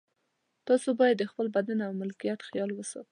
تاسو باید د خپل بدن او ملکیت خیال وساتئ.